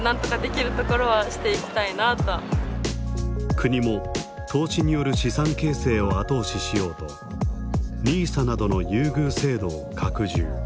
国も投資による資産形成を後押ししようとＮＩＳＡなどの優遇制度を拡充。